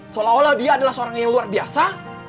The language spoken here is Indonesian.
seolah olah dia adalah seorang yang luar biasa